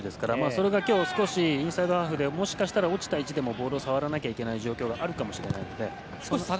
それだけ、インサイドハーフでもしかしたら落ちた位置でもボールを触らなければいけない状況があるかもしれないので。